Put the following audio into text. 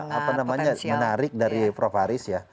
ini sebuah apa namanya menarik dari prof haris ya